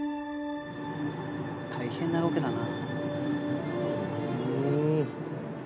大変なロケだな。